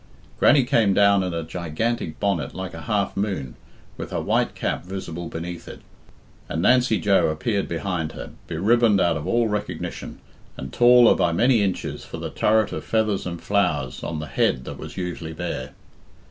Grannie came down in a gigantic bonnet like a half moon, with her white cap visible beneath it; and Nancy Joe appeared behind her, be ribboned out of all recognition, and taller by many inches for the turret of feathers and flowers on the head that was usually bare.